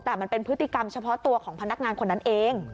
แต่มันเป็นพฤติกรรมเฉพาะตัวของพนักงานคนนั้นเอง